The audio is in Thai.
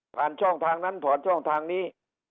ช่องทางนั้นถอนช่องทางนี้